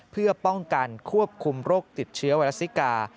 เพื่อป้องกันควบคุมโรคติดเชื้อไวรัสซิกา